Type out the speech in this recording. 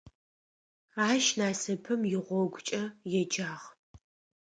Ащ «Насыпым игъогукӏэ» еджагъ.